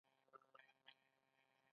د کاناډا مالیاتي سیستم پرمختللی دی.